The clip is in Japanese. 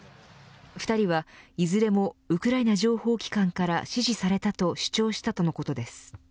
２人はいずれもウクライナ情報機関から指示されたと主張したとのことです。